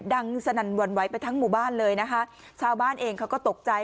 สนั่นหวั่นไหวไปทั้งหมู่บ้านเลยนะคะชาวบ้านเองเขาก็ตกใจ